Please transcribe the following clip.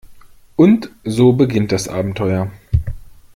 Und so beginnt das Abenteuer.